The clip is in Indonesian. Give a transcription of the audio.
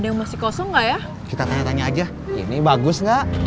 ada yang masih kosong nggak ya kita tanya tanya aja ini bagus gak